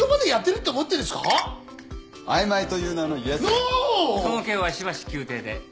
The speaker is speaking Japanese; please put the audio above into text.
その件はしばし休廷で。